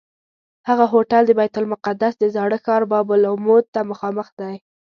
هغه هوټل د بیت المقدس د زاړه ښار باب العمود ته مخامخ دی.